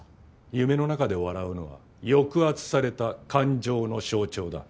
夢の中で笑うのは抑圧された感情の象徴だ。